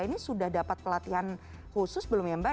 ini sudah dapat pelatihan khusus belum ya mbak